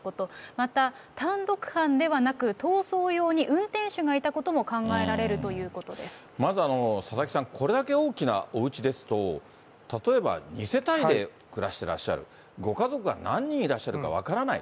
また、単独犯ではなく、逃走用に運転手がいたことも考えられるとまず佐々木さん、これだけ大きなおうちですと、例えば二世帯で暮らしてらっしゃる、ご家族が何人いらっしゃるか分からない。